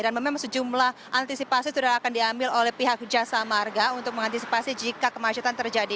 dan memang sejumlah antisipasi sudah akan diambil oleh pihak jasa marga untuk mengantisipasi jika kemacetan terjadi